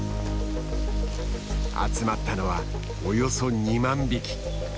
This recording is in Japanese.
集まったのはおよそ２万匹！